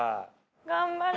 頑張れ。